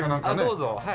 どうぞはい。